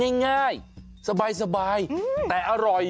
ง่ายสบายแต่อร่อย